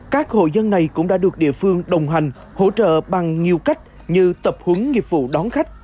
các hộ dân này cũng đã được địa phương đồng hành hỗ trợ bằng nhiều cách như tập hướng nghiệp vụ đón khách